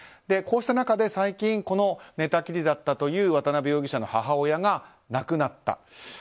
こうした中で最近、寝たきりだったという渡辺容疑者の母親が亡くなった。